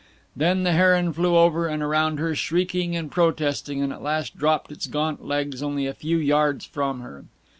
Then the heron flew over and around her, shrieking and protesting, and at last dropped its gaunt legs only a few yards from her.